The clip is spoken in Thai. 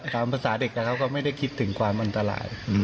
ภาษาเด็กเขาก็ไม่ได้คิดถึงความอันตราย